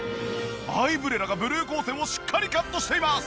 アイブレラがブルー光線をしっかりカットしています！